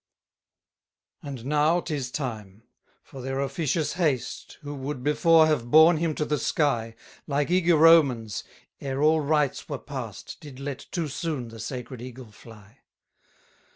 1 And now 'tis time; for their officious haste, Who would before have borne him to the sky, Like eager Romans, ere all rites were past, Did let too soon the sacred eagle fly.